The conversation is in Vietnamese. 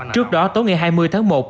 trước đó tối ngày hai mươi tháng một